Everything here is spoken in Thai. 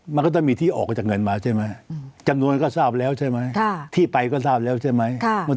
มันก็ต้องมีที่ออกมาจากเงินมาใช่ไหมจำนวนก็ทราบแล้วใช่ไหมที่ไปก็ทราบแล้วใช่ไหม